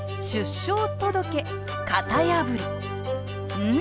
うん！